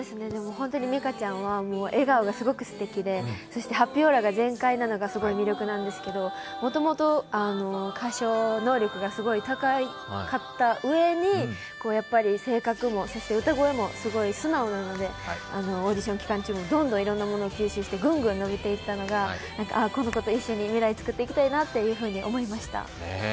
美香ちゃんは笑顔がすごいすてきで、ハッピーオーラが全開なのがすごい魅力なんですけど、もともと歌唱能力がすごく高かったうえに、性格も、歌声もすごい素直なのでオーディション期間中にどんどんいろんなものを吸収してグングン伸びていったのが、この子と一緒に未来を作っていきたいなと思いました。